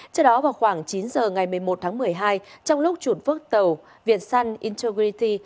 trước đó vào khoảng chín giờ ngày một mươi một tháng một mươi hai trong lúc trục vớt tàu viet san integrity